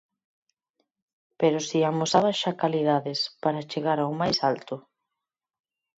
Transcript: Pero si amosaba xa calidades para chegar ao máis alto.